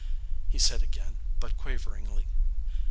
he said again, but quaveringly.